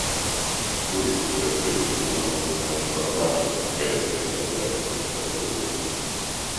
Borisz következő próbálkozása a második keresztes hadjárathoz kapcsolódik.